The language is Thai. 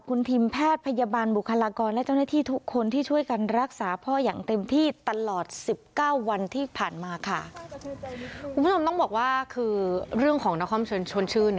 คุณผู้ชมต้องบอกว่าคือเรื่องของนครชนชวนชื่น